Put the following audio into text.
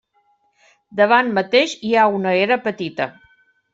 Davant mateix hi ha una era petita.